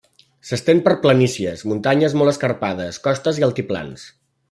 S'estén per planícies, muntanyes molt escarpades, costes i altiplans.